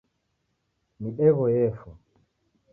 Midegho yefwa.